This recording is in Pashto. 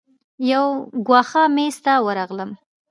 یو ګوښه میز ته ورغلم.